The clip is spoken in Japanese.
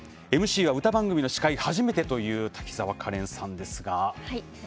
ＭＣは、歌番組の司会は初めてという滝沢カレンさんです。